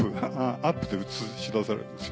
アップで映し出されるんですよ。